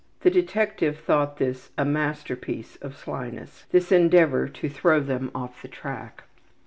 The detective thought this a masterpiece of slyness, this endeavor to throw them off the track.